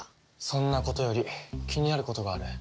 そんなことより気になることがある。